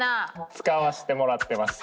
使わしてもらってます。